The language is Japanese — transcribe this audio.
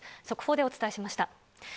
速報でお伝えしました。